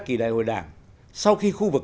kỳ đại hội đảng sau khi khu vực